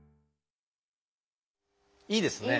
いいですね。